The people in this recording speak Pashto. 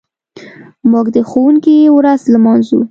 موږ د ښوونکي ورځ لمانځو.